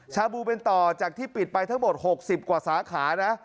ชาบูเป็นต่อจากที่ปิดไปทั้งหมด๖๐กว่าสาขานะ